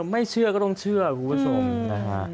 ไม่เชื่อก็ต้องเชื่อครับคุณผู้ชม